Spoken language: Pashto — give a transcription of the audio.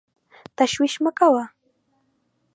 تشویش مه کوه !